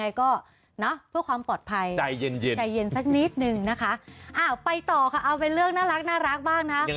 ให้ก็เพื่อความปลอดภัยใจเย็นสักนิดนึงค่ะอ้าวไปต่อค่ะเอาเป็นเรื่องน่ารักน่ารักบ้างนะ